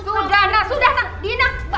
sudah nah sudah dina